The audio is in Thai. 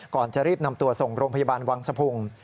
ก่อนจะรีบนำตัวส่งโรงพยาบาลวังสะพุง